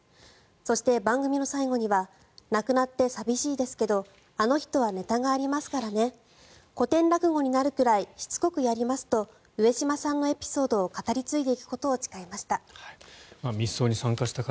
そして番組の最後には亡くなって寂しいですけどあの人はネタがありますからね古典落語になるくらいしつこくやりますと上島さんのエピソードを語り継いでいくことを誓いました。